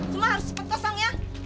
semua harus cepet kosong ya